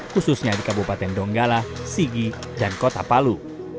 khususnya di kabupaten donggala sigi dan kota palu